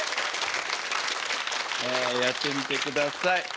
やってみてください。